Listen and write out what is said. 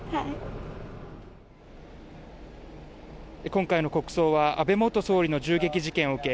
今回の国葬は安倍元総理の銃撃事件を受け